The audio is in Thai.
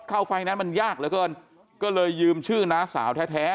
ไฟแนนซ์มันยากเหลือเกินก็เลยยืมชื่อน้าสาวแท้